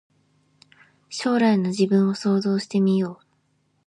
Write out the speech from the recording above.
将来の自分を想像してみよう